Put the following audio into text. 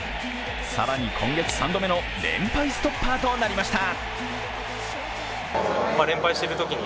更に今月３度目の連敗ストッパーとなりました。